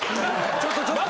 ちょっとちょっと！